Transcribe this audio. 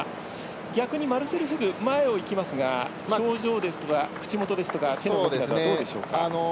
逆にマルセル・フグ前を行きますが表情ですとか口元や手の動きはどうでしょうか？